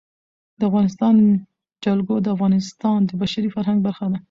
د افغانستان جلکو د افغانستان د بشري فرهنګ برخه ده.